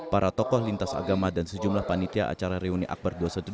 para tokoh lintas agama dan sejumlah panitia acara reuni akbar dua ratus dua belas